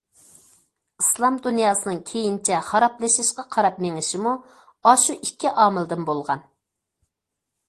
ئىسلام دۇنياسىنىڭ كېيىنچە خارابلىشىشقا قاراپ مېڭىشىمۇ ئاشۇ ئىككى ئامىلدىن بولغان.